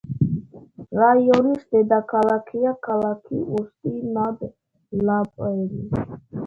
რაიონის დედაქალაქია ქალაქი უსტი-ნად-ლაბემი.